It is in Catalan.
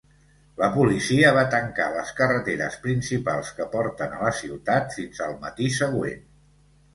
La policia va tancar les carreteres principals que porten a la ciutat fins al matí següent.